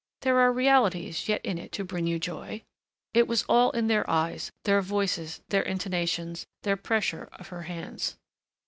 There are realities yet in it to bring you joy." It was all in their eyes, their voices, their intonations, their pressure of her hands.